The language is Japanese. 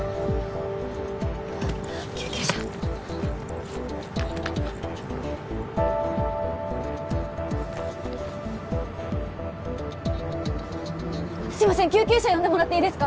救急車すいません救急車呼んでもらっていいですか？